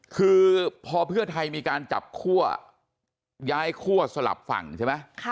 คือพอเพื่อไทยมีการจับคั่วย้ายคั่วสลับฝั่งใช่ไหม